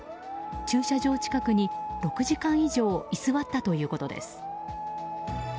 駐車場近くに６時間以上居座ったということです。